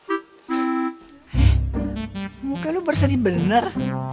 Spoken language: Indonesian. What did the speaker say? eh muka lo barusan di bener